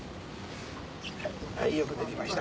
よくできました。